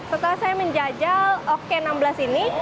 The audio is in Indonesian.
setelah saya menjajal oke enam belas ini